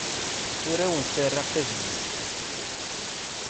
Ur awen-ttarraɣ tajmilt.